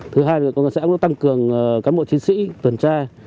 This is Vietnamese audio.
thứ hai là công an xã cũng tăng cường cán bộ chiến sĩ tuần tra